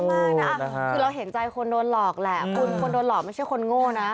มากนะคือเราเห็นใจคนโดนหลอกแหละคุณคนโดนหลอกไม่ใช่คนโง่นะ